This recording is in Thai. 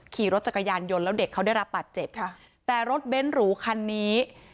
ขี่รถจักรยานยนต์แล้วเด็กเขาได้รับบาดเจ็บค่ะแต่รถเบ้นหรูคันนี้